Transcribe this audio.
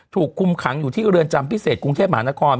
ถูกคุมขังอยู่ที่เรือนจำพิเศษกรุงเทพมหานคร